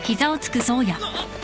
あっ。